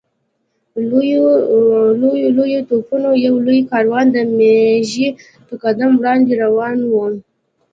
لویو لویو توپونو یو لوی کاروان د مېږي په قدم وړاندې روان و.